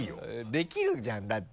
できるじゃんだって。